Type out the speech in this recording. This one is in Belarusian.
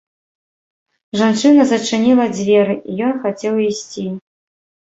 Жанчына зачыніла дзверы, і ён хацеў ісці.